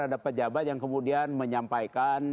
ada pejabat yang kemudian menyampaikan